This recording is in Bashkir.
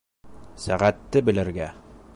— Сәғәтте белергә.